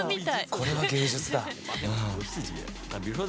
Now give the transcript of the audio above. これは芸術だ。